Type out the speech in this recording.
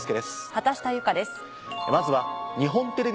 畑下由佳です。